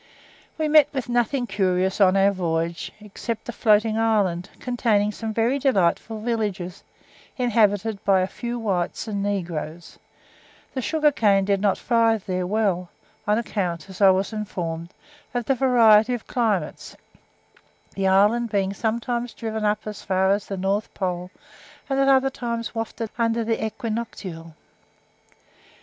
We met with nothing curious on our voyage, except a floating island, containing some very delightful villages, inhabited by a few whites and negroes; the sugar cane did not thrive there well, on account, as I was informed, of the variety of the climates; the island being sometimes driven up as far as the north pole, and at other times wafted under the equinoctial.